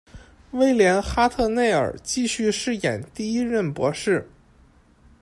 威廉·哈特内尔继续饰演第一任博士。